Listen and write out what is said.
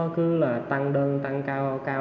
cứ là tăng đơn tăng cao